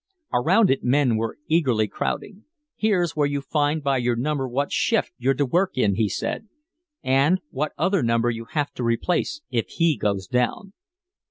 Around it men were eagerly crowding. "Here's where you find by your number what shift you're to work in," he said, "and what other number you have to replace if he goes down.